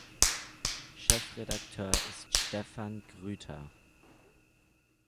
Chefredaktor ist Stefan Grüter.